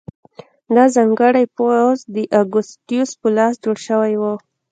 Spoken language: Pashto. دا ځانګړی پوځ د اګوستوس په لاس جوړ شوی و.